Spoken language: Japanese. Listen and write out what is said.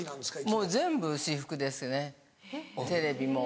もう全部私服ですねテレビも。